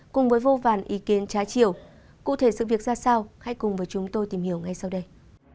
cụ thể sự việc ra sao hãy cùng với chúng tôi tìm hiểu ngay sau đây